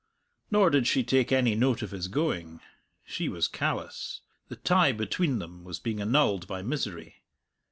Nor did she take any note of his going; she was callous. The tie between them was being annulled by misery.